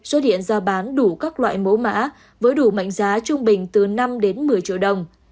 xuất hiện ra bán đủ các loại mẫu mã với đủ mạnh giá trung bình từ năm đến một mươi triệu đồng